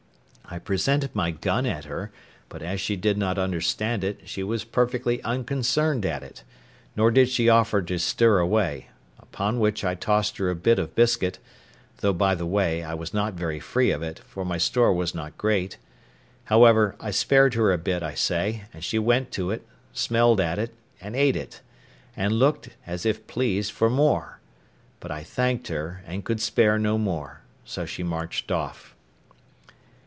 I presented my gun at her, but, as she did not understand it, she was perfectly unconcerned at it, nor did she offer to stir away; upon which I tossed her a bit of biscuit, though by the way, I was not very free of it, for my store was not great: however, I spared her a bit, I say, and she went to it, smelled at it, and ate it, and looked (as if pleased) for more; but I thanked her, and could spare no more: so she marched off.